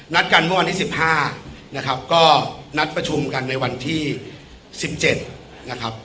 นัดกันเมื่อวันที่สิบห้านะครับก็นัดประชุมกันในวันที่สิบเจ็ดนะครับ